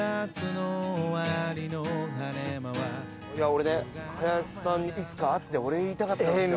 いや俺ね林さんにいつか会ってお礼言いたかったんですよ。